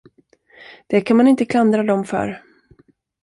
Det kan man inte klandra dem för.